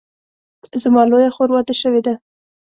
زما لویه خور واده شوې ده